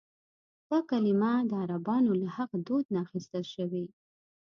دا کلیمه د عربانو له هغه دود نه اخیستل شوې.